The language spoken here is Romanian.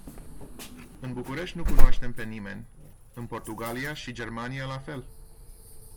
În București nu cunoșteam pe nimeni, în Portugalia și Germania la fel.